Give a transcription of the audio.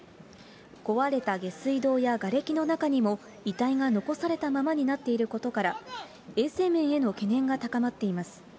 壊れた下水道やがれきの中にも、遺体が残されたままになっていることから、衛生面への懸念が高まっています。